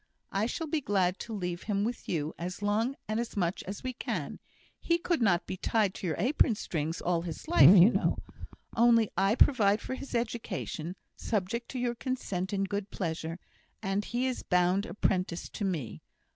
I shall be glad to leave him with you as long and as much as we can; he could not be tied to your apron strings all his life, you know. Only I provide for his education, subject to your consent and good pleasure, and he is bound apprentice to me.